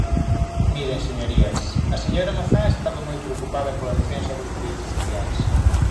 Miren, señorías, a señora Mazá estaba moi preocupada pola defensa dos dereitos sociais.